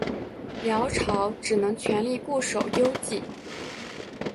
辽朝只能全力固守幽蓟。